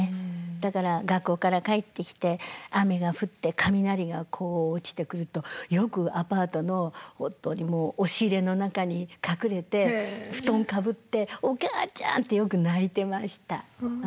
だから学校から帰ってきて雨が降って雷が落ちてくるとよくアパートの本当にもう押し入れの中に隠れて布団かぶって「おかあちゃん！」ってよく泣いてました。